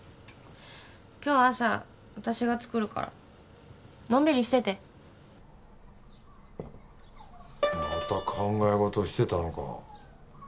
今日朝私が作るからのんびりしててまた考えごとしてたのか？